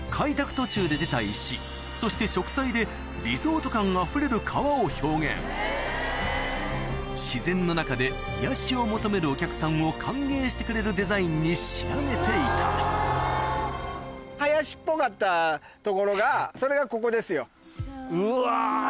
途中で出た石そして植栽でリゾート感あふれる川を表現自然の中で癒やしを求めるお客さんを歓迎してくれるデザインに仕上げていたうわ